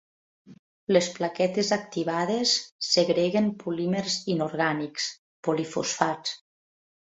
Les plaquetes activades segreguen polímers inorgànics, polifosfats.